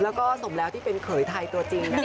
แล้วก็สมแล้วที่เป็นเขยไทยตัวจริงนะคะ